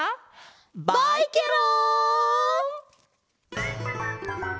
バイケロン！